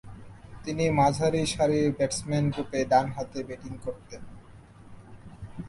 তিনি মাঝারিসারির ব্যাটসম্যানরূপে ডানহাতে ব্যাটিং করতেন।